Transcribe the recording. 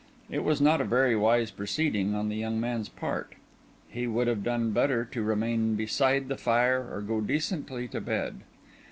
It was not a very wise proceeding on the young man's part. He would have done better to remain beside the fire or go decently to bed.